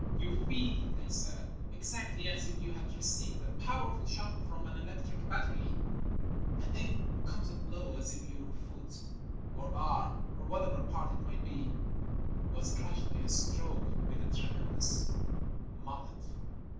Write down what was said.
"You feel," they said, "exactly as if you had received a powerful shock from an electric battery, and then comes a blow as if your foot" (or arm, or whatever part it might be) "was crushed by a stroke with a tremen dous mallet."